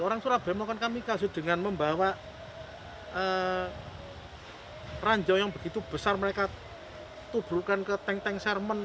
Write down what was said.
orang surabaya melakukan kamikasi dengan membawa ranjau yang begitu besar mereka tubuhkan ke teng teng sermen